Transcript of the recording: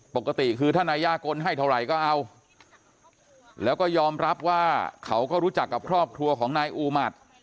ปกติคือถ้านายยากลให้เท่าไหร่ก็เอาแล้วก็ยอมรับว่าเขาก็รู้จักกับครอบครัวของนายอูหมัด